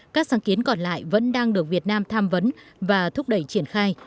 các sáng kiến còn lại vẫn đang được việt nam tham vấn và thúc đẩy triển khai